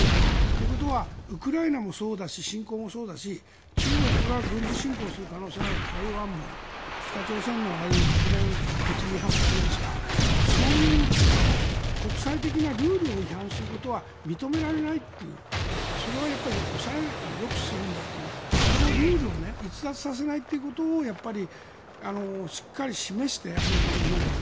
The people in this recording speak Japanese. ということはウクライナもそうだし侵攻もそうだし中国が軍事侵攻する可能性のある台湾も北朝鮮の国連決議違反もそうですがそういう国際的なルールを批判することは認められないというそれはやっぱり抑止するんだというルールを逸脱させないということをやっぱりしっかり示してアメリカも日本も。